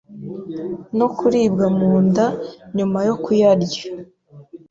no kuribwa mu nda nyuma yo kuyarya